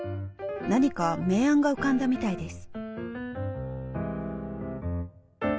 何か名案が浮かんだみたいです。